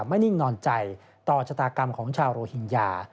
นิ่งนอนใจต่อชะตากรรมของชาวโรฮิงญา